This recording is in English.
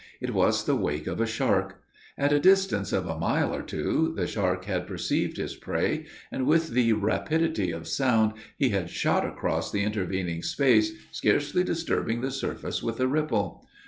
It was the wake of a shark. At a distance of a mile or two, the shark had perceived his prey; and, with the rapidity of sound, he had shot across the intervening space, scarcely disturbing the surface with a ripple.